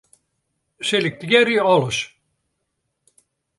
Selektearje alles.